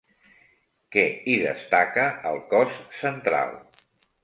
Què hi destaca al cos central?